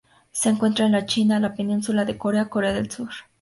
Se encuentra en la China, la Península de Corea, Corea del Sur.